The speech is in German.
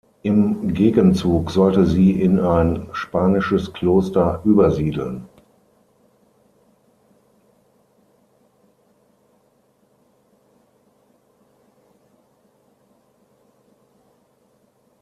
Im Gegenzug sollte sie in ein spanisches Kloster übersiedeln.